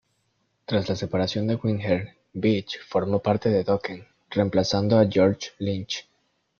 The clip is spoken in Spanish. Tras la separación de Winger, Beach formó parte de Dokken, reemplazando a George Lynch.